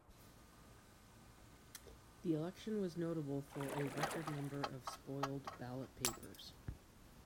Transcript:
The election was notable for a record number of spoiled ballot papers.